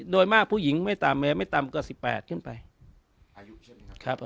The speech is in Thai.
โดยมากผู้หญิงไม่ต่ำแม้ไม่ต่ำกว่า๑๘ขึ้นไปอายุใช่ไหมครับ